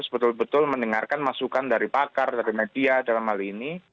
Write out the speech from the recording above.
betul betul mendengarkan masukan dari pakar dari media dalam hal ini